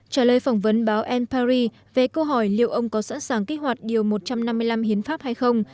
trả lời phỏng vấn báo an paris về câu hỏi liệu ông có sẵn sàng kích hoạt điều một trăm năm mươi năm hiến pháp hay không